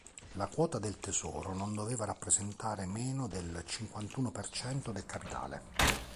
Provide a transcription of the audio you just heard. La quota del Tesoro non doveva rappresentare meno del cinquantuno per cento del capitale.